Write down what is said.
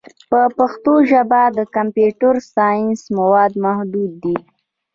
په پښتو ژبه د کمپیوټري ساینس مواد محدود دي.